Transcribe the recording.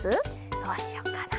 どうしよっかな。